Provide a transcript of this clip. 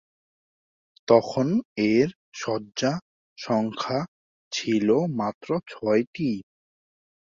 তখন এর শয্যার সংখ্যা ছিল মাত্র ছয়টি।